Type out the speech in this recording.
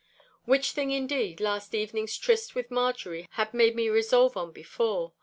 Which thing, indeed, last evening's tryst with Marjorie had made me resolve on before.